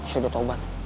saya udah tobat